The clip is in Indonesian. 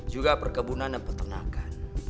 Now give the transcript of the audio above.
juga perkebunan dan peternakan